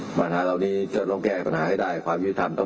มีศาสตราจารย์พิเศษวิชามหาคุณเป็นประเทศด้านกรวมความวิทยาลัยธรม